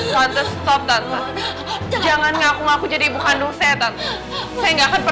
tante tante stop tante jangan ngaku ngaku jadi ibu kandung saya tante